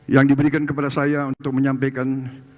yang diberikan kepada saya untuk menyampaikan